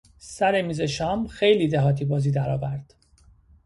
سر میز شام خیلی دهاتی بازی درآورد.